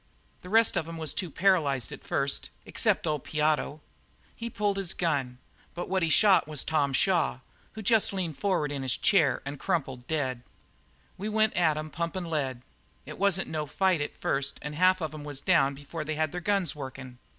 The rest of 'em was too paralyzed at first, except old Piotto. He pulled his gun, but what he shot was Tom Shaw, who jest leaned forward in his chair and crumpled up dead. "We went at 'em, pumpin' lead. It wasn't no fight at first and half of 'em was down before they had their guns workin'.